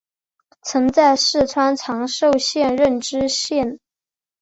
曾在四川长寿县任知县。